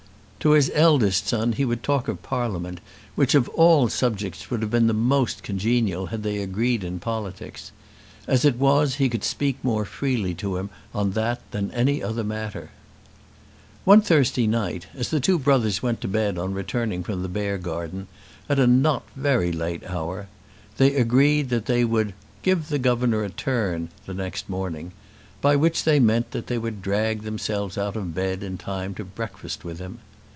To his eldest son he would talk of Parliament, which of all subjects would have been the most congenial had they agreed in politics. As it was he could speak more freely to him on that than any other matter. One Thursday night as the two brothers went to bed on returning from the Beargarden, at a not very late hour, they agreed that they would "give the governor a turn" the next morning, by which they meant that they would drag themselves out of bed in time to breakfast with him.